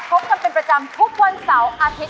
พบกันเป็นประจำทุกวันเสาร์อาทิตย